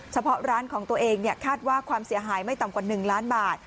เฉพาะร้านของตัวเองคาดว่าความเสียหายไม่ต่ำกว่า๑ล้านบาท